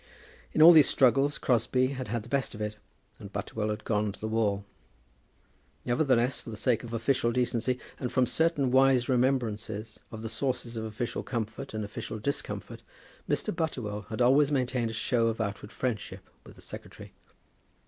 In all these struggles Crosbie had had the best of it, and Butterwell had gone to the wall. Nevertheless, for the sake of official decency, and from certain wise remembrances of the sources of official comfort and official discomfort, Mr. Butterwell had always maintained a show of outward friendship with the secretary.